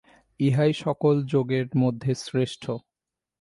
ইহাই সকল যোগের মধ্যে শ্রেষ্ঠ।